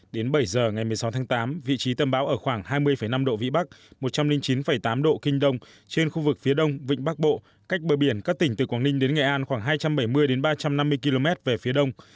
đến bảy giờ ngày một mươi sáu tháng tám vị trí tâm bão ở khoảng hai mươi năm độ vĩ bắc một trăm linh chín tám độ kinh đông trên khu vực phía đông vịnh bắc bộ cách bờ biển các tỉnh từ quảng ninh đến nghệ an khoảng hai trăm bảy mươi ba trăm năm mươi km về phía đông